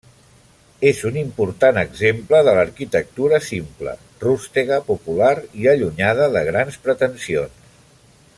És un important exemple de l'arquitectura simple, rústega, popular i allunyada de grans pretensions.